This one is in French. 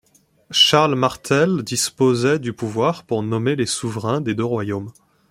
Charles Martel disposait du pouvoir pour nommer les souverains des deux royaumes.